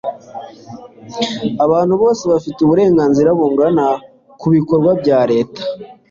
abantu bose bafite uburenganzira bungana ku bikorwa bya leta